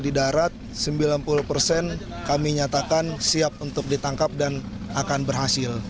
ketika buaya sudah sampai di darat sembilan puluh persen kami nyatakan siap untuk ditangkap dan akan berhasil